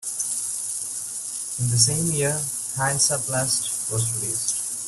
In the same year Hansaplast was released.